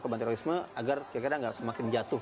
korban terorisme agar kira kira tidak semakin jatuh